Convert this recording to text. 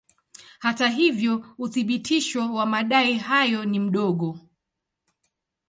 Hata hivyo uthibitisho wa madai hayo ni mdogo.